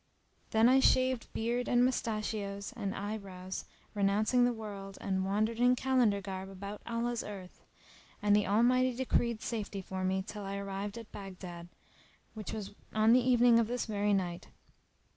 Then I shaved beard and mustachios and eye brows, renouncing the world, and wandered in Kalandar garb about Allah's earth; and the Almighty decreed safety for me till I arrived at Baghdad, which was on the evening of this very night.